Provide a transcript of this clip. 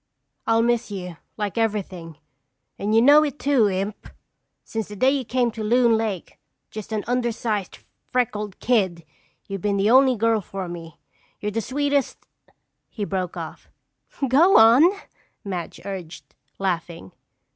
"I'll miss you like everything, and you know it too, imp! Since the day you came to Loon Lake, just an undersized, freckled kid, you've been the only girl for me. You're the sweetest—" he broke off. "Go on!" Madge urged, laughing.